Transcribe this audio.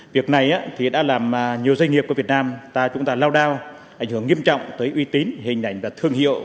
việc này thì đã làm nhiều doanh nghiệp của việt nam ta chúng ta lao đao ảnh hưởng nghiêm trọng tới uy tín hình ảnh và thương hiệu